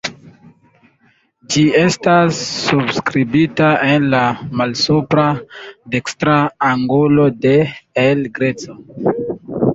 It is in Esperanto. Ĝi estas subskribita en la malsupra dekstra angulo de El Greco.